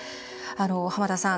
浜田さん